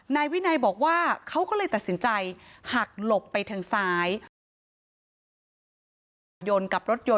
นายวินัยบอกว่าเขาก็เลยตัดสินใจหักหลบไปทางซ้าย